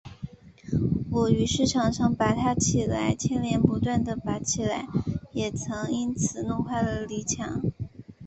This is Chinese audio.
我于是常常拔它起来，牵连不断地拔起来，也曾因此弄坏了泥墙